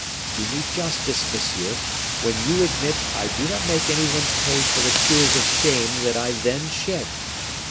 Do me justice, monsieur, when you admit I do not make any one pay for the tears of shame that I then shed.